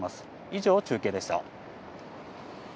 以上、中継でした。